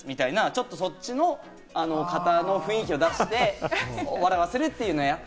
ちょっとそっちの方の雰囲気を出して笑わせるというのをやって。